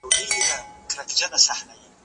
زه به اوږده موده مړۍ خوړلي وم!؟